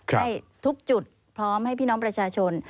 ให้ทุกจุดพร้อมให้พี่น้องประชาชน